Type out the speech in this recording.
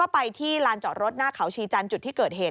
ไปที่ลานจอดรถหน้าเขาชีจันทร์จุดที่เกิดเหตุ